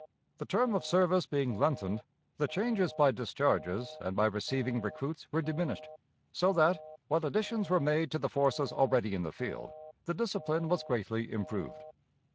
The term of service being lengthened, the changes by discharges and by receiving recruits were diminished, so that, while additions were made to the forces already in the field, the discipline was greatly improved.